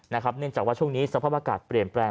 เนื่องจากว่าช่วงนี้สภาพอากาศเปลี่ยนแปลง